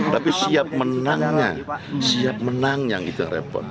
tapi siap menangnya siap menang yang itu yang repot